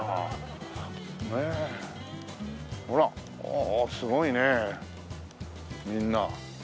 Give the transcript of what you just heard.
ああすごいねみんな。